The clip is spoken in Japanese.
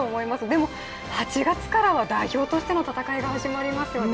でも、８月からは代表としての戦いが始まりますね